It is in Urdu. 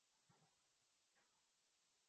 بہت زیادہ مزاح کرتا ہوں